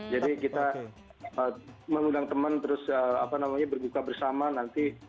jadi kita mengundang teman terus berbuka bersama nanti